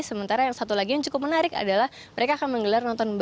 sementara yang satu lagi yang cukup menarik adalah mereka akan menggelar nonton bareng